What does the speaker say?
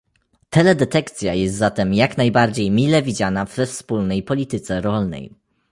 Teledetekcja jest zatem jak najbardziej mile widziana we wspólnej polityce rolnej